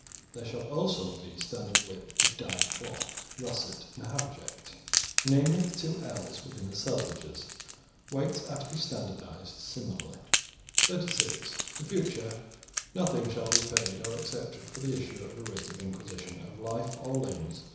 There shall also be a standard width of dyed cloth, russett, and haberject, namely two ells within the selvedges. Weights are to be standardised similarly. (36) In future nothing shall be paid or accepted for the issue of a writ of inquisition of life or limbs.